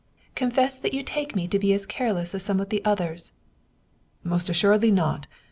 Confess that you take me to be as careless as some of the others !"" Most assuredly not.